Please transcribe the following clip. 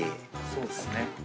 そうですね。